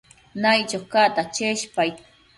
Naiccho cacta cheshpaid